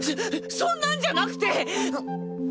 そそんなんじゃなくて！